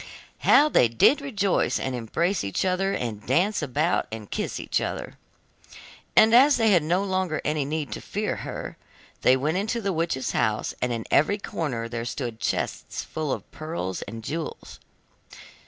How they did rejoice and embrace each other, and dance about and kiss each other! And as they had no longer any need to fear her, they went into the witch's house, and in every corner there stood chests full of pearls and jewels.